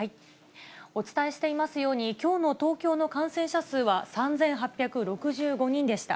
お伝えしていますように、きょうの東京の感染者数は３８６５人でした。